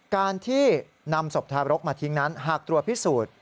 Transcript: การที่นำศพทารกมาทิ้งนั้นหากตรวจพิสูจน์